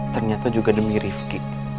ternyata juga demi rifqi